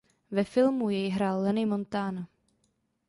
Ve filmu jej hrál Lenny Montana.